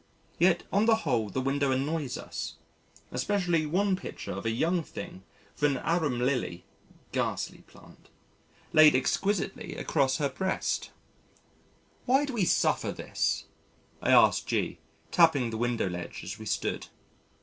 Yet on the whole the window annoys us, especially one picture of a young thing with an arum lily (ghastly plant!) laid exquisitely across her breast. "Why do we suffer this?" I asked G , tapping the window ledge as we stood.